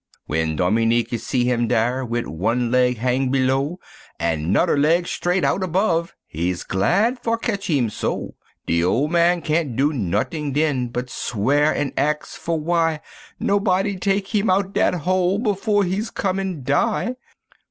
W'en Dominique is see heem dere, wit' wan leg hang below, An' 'noder leg straight out above, he's glad for ketch heem so De ole man can't do not'ing, den, but swear and ax for w'y Noboddy tak' heem out dat hole before he's comin' die.